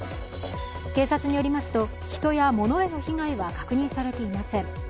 警察によりますと人や物への被害は確認されていません。